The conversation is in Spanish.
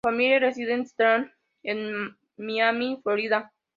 La familia reside en Star Island, en Miami, Florida.